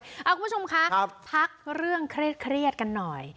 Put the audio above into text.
ครับคุณผู้ชมค่ะครับพักเรื่องเครียดเครียดกันหน่อย